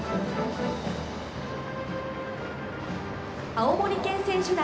青森県選手団。